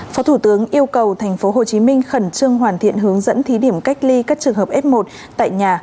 phó thủ tướng yêu cầu thành phố hồ chí minh khẩn trương hoàn thiện hướng dẫn thí điểm cách ly các trường hợp s một tại nhà